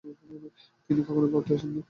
তিনি কখনই ভারতে আসেননি।